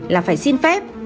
là phải xin phép